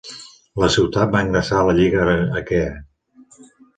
La ciutat va ingressar a la Lliga Aquea.